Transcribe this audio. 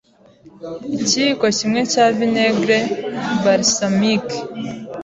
Ikiyiko kimwe cya vinaigre balsamique